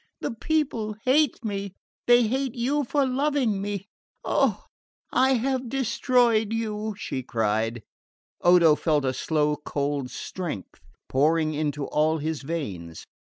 The people hate me they hate you for loving me! Oh, I have destroyed you!" she cried. Odo felt a slow cold strength pouring into all his veins.